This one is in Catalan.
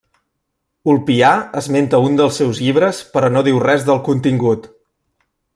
Ulpià esmenta un dels seus llibres però no diu res del contingut.